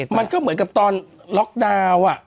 มันก็เหมือนกับตอนล็อกดาวน์